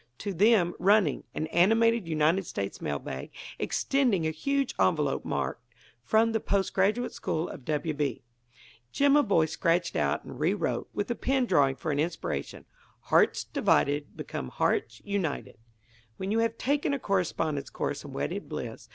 To them, running, an animated United States mail bag, extending a huge envelope marked: "From the Post Graduate School of W. B." Jimaboy scratched out and rewrote, with the pen drawing for an inspiration: HEARTS DIVIDED BECOME HEARTS UNITED when you have taken a Correspondence Course in Wedded Bliss.